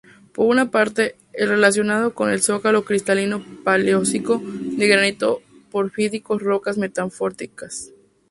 Por una parte, el relacionado con el zócalo cristalino-paleozico, de granitos porfídicos-rocas metamórficas.